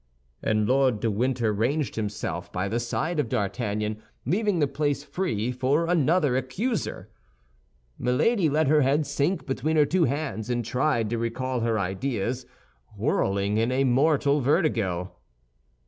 And Lord de Winter ranged himself by the side of D'Artagnan, leaving the place free for another accuser. Milady let her head sink between her two hands, and tried to recall her ideas, whirling in a mortal vertigo.